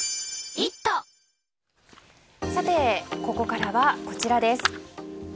ここからは、こちらです。